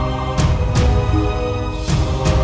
menanggung suatu tujuan